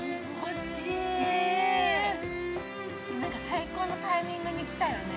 最高のタイミングに来たよね。